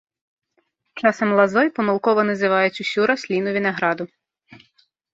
Часам лазой памылкова называюць усю расліну вінаграду.